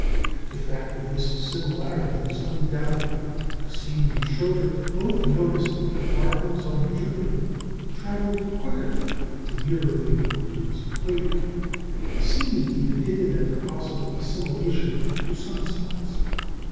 The fact of this similarity is undoubted. Cassini and Schröter both noticed that markings on Jupiter travelled quicker the nearer they were to his equator; and Cassini even hinted at their possible assimilation to sun spots.